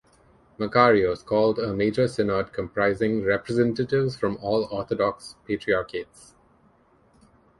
Makarios called a Major Synod comprising representatives from all Orthodox Patriarchates.